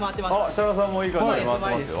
設楽さんもいい感じに回ってます。